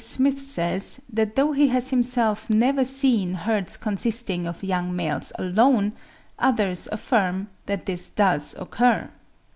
Smith says, that though he has himself never seen herds consisting of young males alone, others affirm that this does occur.